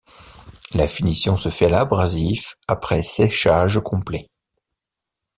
La finition se fait à l'abrasif après séchage complet.